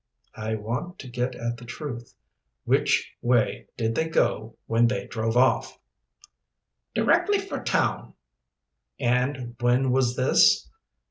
"I want to get at the truth. Which way did they go when they drove off?" "Directly for town." "And when was this?"